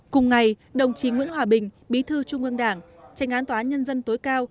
cùng ngày đồng chí nguyễn hòa bình bí thư trung ương đảng tranh án tòa án nhân dân tối cao